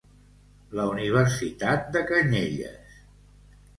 La universitat de Canyelles.